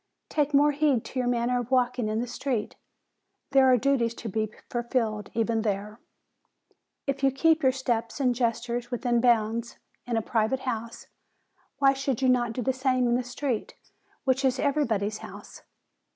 Take more heed to your manner of walking in the street. There are duties to be fulfilled even there. If you keep your steps and gestures within bounds in a private house, why should you not do the same in the street, which is everybody's house.